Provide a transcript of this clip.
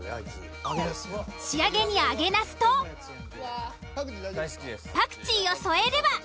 仕上げに揚げナスとパクチーを添えれば。